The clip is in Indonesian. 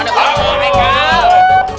aduh ganggu mereka